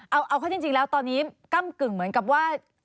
เอาเข้าจริงแล้วตอนนี้กำกึ่งเหมือนกับว่า